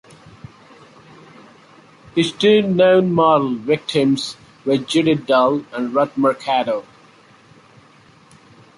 His two known model victims were Judith Dull and Ruth Mercado.